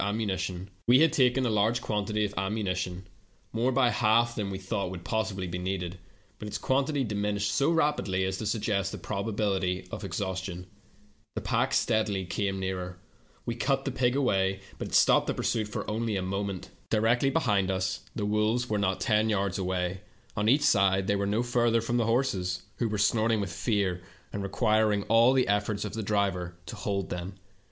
165 "We had taken a large quantity of ammunition — more by half than we thought would possibly be needed — but its quantity diminished so rapidly as to suggest the probability of exhaustion. The paek steadily came nearer. We cut away the pig, but it stopped the pursuit only for a moment. Directly behind us the wolves were not ten yards away ; on each side they were no further from the horses, who were snorting with fear, and requir ing all the efforts of the driver to hold them.